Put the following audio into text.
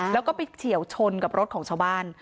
แล้วก็ไปเฉียวชนกับรถของชาวบ้าน